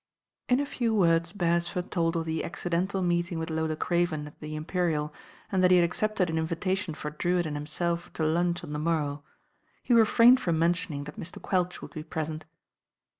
In a few words Beresford told of the "acciden tal" meeting with Lola Craven at the Imperial, and that he had accepted an invitation for Drewitt and himself to lunch on the morrow. He refrained from mentioning that Mr. Quelch would be present.